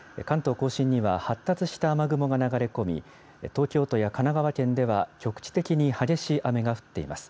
甲信には発達した雨雲が流れ込み、東京都や神奈川県では、局地的に激しい雨が降っています。